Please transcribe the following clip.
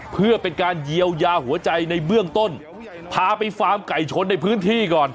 เพื่อเป็นการเยียวยาหัวใจในเบื้องต้นพาไปฟาร์มไก่ชนในพื้นที่ก่อน